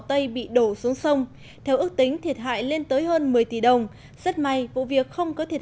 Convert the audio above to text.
tây bị đổ xuống sông theo ước tính thiệt hại lên tới hơn một mươi tỷ đồng rất may vụ việc không có thiệt